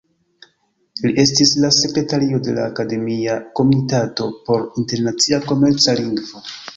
Li estis la sekretario de la Akademia Komitato por Internacia Komerca Lingvo.